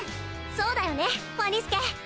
そうだよねワニスケ！